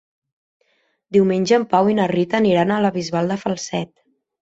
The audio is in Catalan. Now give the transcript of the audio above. Diumenge en Pau i na Rita aniran a la Bisbal de Falset.